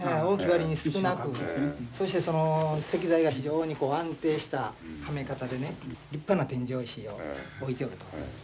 そしてその石材が非常に安定したはめ方でね立派な天井石を置いておると。